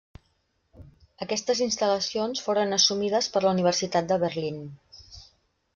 Aquestes instal·lacions foren assumides per la Universitat de Berlín.